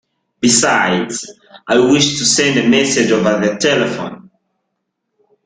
Besides, I wish to send a message over the telephone.